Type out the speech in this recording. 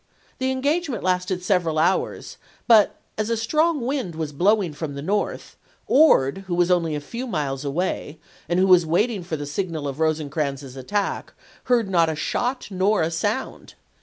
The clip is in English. The engagement lasted several hours, but as a strong wind was blow ing from the north, Ord, who was only a few miles away, and who was waiting for the signal of Eose crans's attack, heard not a shot nor a sound.